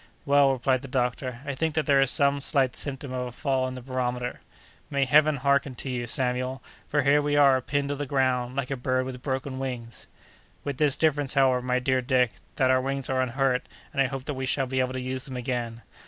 "Well," replied the doctor, "I think that there is some slight symptom of a fall in the barometer." "May Heaven hearken to you, Samuel! for here we are pinned to the ground, like a bird with broken wings." "With this difference, however, my dear Dick, that our wings are unhurt, and I hope that we shall be able to use them again."